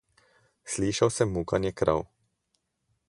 Slišal sem mukanje krav.